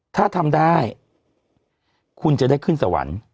ถ้าทำได้คุณจะได้ขึ้นสวรรค์